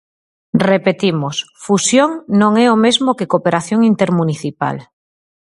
Repetimos: fusión non é o mesmo que cooperación intermunicipal.